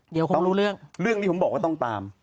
เดี๋ยวคงรู้เรื่อง